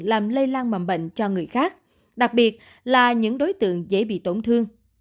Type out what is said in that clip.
làm lây lan mầm bệnh cho người khác đặc biệt là những đối tượng dễ bị tổn thương